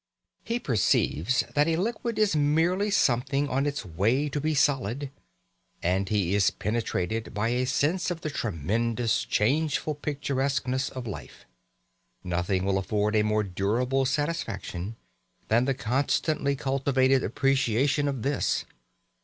He perceives that a liquid is merely something on its way to be solid, and he is penetrated by a sense of the tremendous, changeful picturesqueness of life. Nothing will afford a more durable satisfaction than the constantly cultivated appreciation of this.